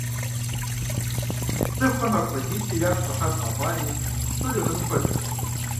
ЦӀыхухэм апхуэдизкӀэ ягу щӀыхьат къэхъуари, псори гъыным хуэдэт.